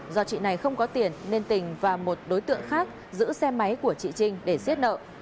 do chị này không có tiền nên tình và một đối tượng khác giữ xe máy của chị trinh để giết nợ